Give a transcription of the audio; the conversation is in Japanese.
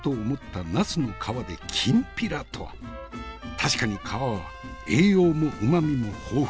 確かに皮は栄養もうまみも豊富。